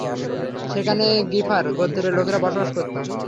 সেখানে গিফার গোত্রের লোকেরা বসবাস করত।